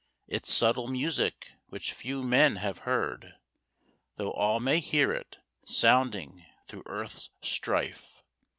Its subtle music which few men have heard, Though all may hear it, sounding through earth's strife.